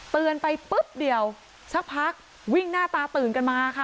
เตือนไปปุ๊บเดียวสักพักวิ่งหน้าตาตื่นกันมาค่ะ